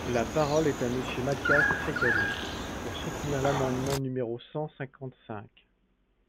La parole est à Monsieur Matthias Fekl, pour soutenir l’amendement numéro cent cinquante-cinq.